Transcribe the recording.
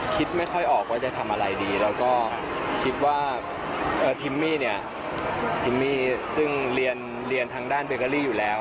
คิดไม่ค่อยออกว่าจะทำอะไรดีแล้วก็คิดว่าทิมมี่เนี่ยทิมมี่ซึ่งเรียนทางด้านเบเกอรี่อยู่แล้ว